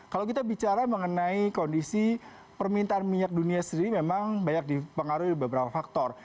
kalau kita bicara mengenai kondisi permintaan minyak dunia sendiri memang banyak dipengaruhi beberapa faktor